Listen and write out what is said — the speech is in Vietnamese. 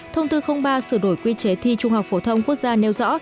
thông tư ba sửa đổi quy chế thi trung học phổ thông quốc gia nêu rõ